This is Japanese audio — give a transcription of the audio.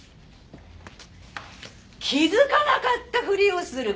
「気付かなかったふりをする」